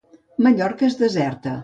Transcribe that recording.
Mallorca és deserta.